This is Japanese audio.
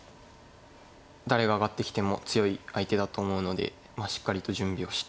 誰が上がってきても強い相手だと思うのでしっかりと準備をして。